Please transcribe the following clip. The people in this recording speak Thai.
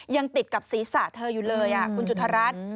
ยังติดกับศีรษะเธออยู่เลยคุณจุธรัฐ